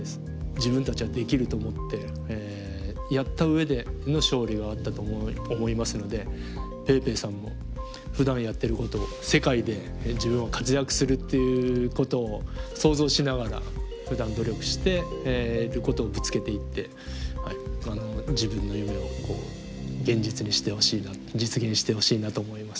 自分たちはできると思ってやった上での勝利があったと思いますのでぺいぺいさんもふだんやってることを世界で自分は活躍するっていうことを想像しながらふだん努力してることをぶつけていって自分の夢を現実にしてほしいな実現してほしいなと思います。